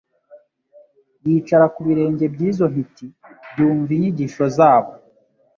Yicara ku birenge by'izo ntiti, yumva inyigisho zabo.